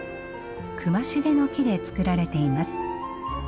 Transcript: クマシデの木で作られています。